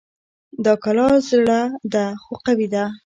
دا کلا زړه ده خو قوي ده